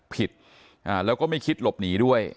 ผิดแล้วก็ไม่คิดหลบหนีด้วย